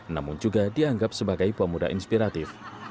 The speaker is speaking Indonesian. namun juga dianggap sebagai pemuda inspiratif